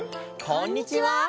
こんにちは。